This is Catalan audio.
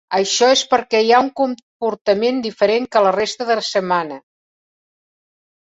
Això és perquè hi ha un comportament diferent que la resta de setmana.